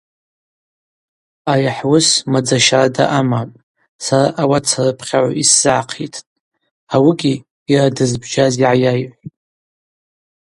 Ари хӏуыс мадза щарда амапӏ, сара ауат сарыпхьагӏв йсзыгӏахъитӏтӏ, ауыгьи – йара дызбжьаз йгӏайайхӏвтӏ.